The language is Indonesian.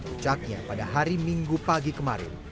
ucaknya pada hari minggu pagi kemarin